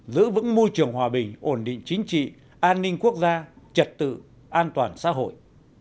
giữ vững môi trường hòa bình ổn định chính trị an ninh quốc gia trật tự an toàn xã hội